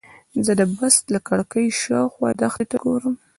زه د بس له کړکۍ شاوخوا دښتې ته ګورم.